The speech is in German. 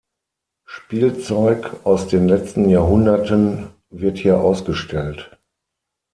Spielzeug aus den letzten Jahrhunderten wird hier ausgestellt.